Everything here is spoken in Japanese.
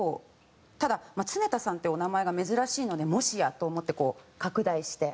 ただまあ常田さんっていうお名前が珍しいので「もしや！！」と思ってこう拡大して。